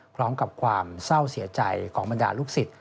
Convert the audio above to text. พร้อมกับความเศร้าเสียใจของบรรดาลูกศิษย